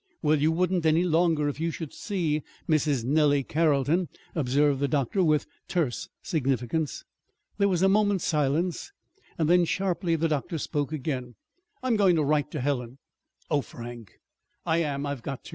"Well, you wouldn't wonder any longer, if you should see Mrs. Nellie Carrolton," observed the doctor, with terse significance. There was a moment's silence; then, sharply, the doctor spoke again. "I'm going to write to Helen." "Oh, Frank!" "I am. I've got to.